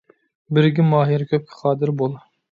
بىرگە ماھىر كۆپكە قادىر بول.